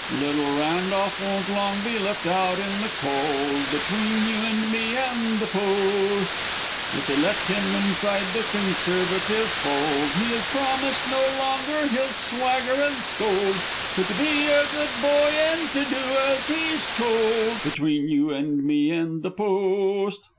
_) Little Randolph won't long be left out in the cold. Between you and me and the Post! If they'll let him inside the Conservative fold, He has promised no longer he'll swagger and scold, But to be a good boy, and to do as he's told, Between you and me and the Post!